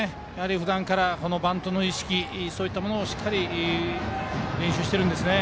ふだんからバントの意識を持ってしっかり練習してるんですね。